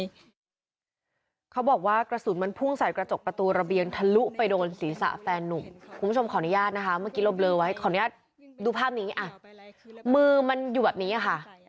เมื่อกี้เราเบลอไว้ขออนุญาตดูภาพนี้อ่ะมือมันอยู่แบบนี้อ่ะค่ะ